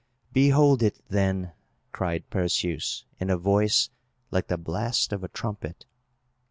"Behold it then!" cried Perseus, in a voice like the blast of a trumpet.